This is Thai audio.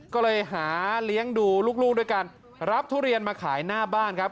ก็เลยหาเลี้ยงดูลูกด้วยกันรับทุเรียนมาขายหน้าบ้านครับ